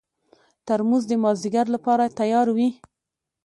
ترموز د مازدیګر لپاره تیار وي.